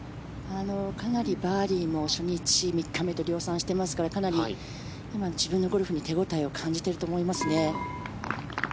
かなりバーディーも初日、３日目と量産してますからかなり今の自分のゴルフに手応えを感じていると思いますね。